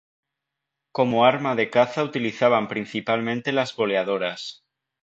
Como arma de caza utilizaban principalmente las boleadoras.